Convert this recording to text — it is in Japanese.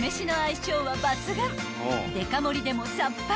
［デカ盛りでもさっぱり！］